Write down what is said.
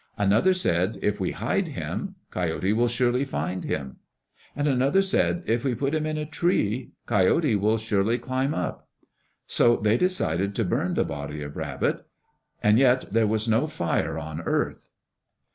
Another said, "If we hide him, Coyote will surely find him." And another said, "If we put him in a tree, Coyote will surely climb up." So they decided to burn the body of Rabbit, and yet there was no fire on earth.